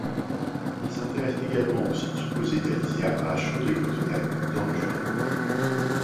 Il s'intéresse également au site supposé d'Alésia à Chaux-des-Crotenay, dans le Jura.